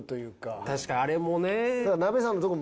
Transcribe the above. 確かにあれもね。